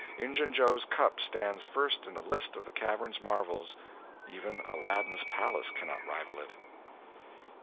Injun Joe's cup stands first in the list of the cavern's marvels; even "Aladdin's Palace" cannot rival it.